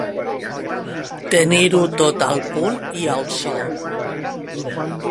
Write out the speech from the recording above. Tenir-ho tot al punt i al so.